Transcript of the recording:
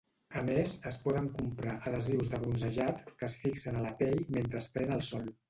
A més, es poden comprar "adhesius de bronzejat" que es fixen a la pell mentre es pren el sol.